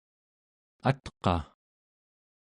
atqa